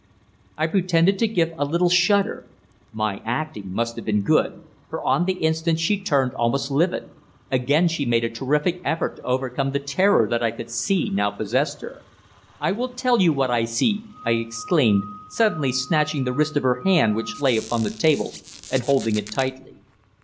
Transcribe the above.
I pretended to give a little shudder. My acting must have been good, for on the instant she turned almost livid. Again she made a terrific effort to overcome the terror that I could see now possessed her. "I will tell you what I see!" I exclaimed, suddenly snatching the wrist of her hand which lay upon the table, and holding it tightly.